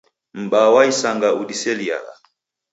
M'baa wa isanga udiseliagha.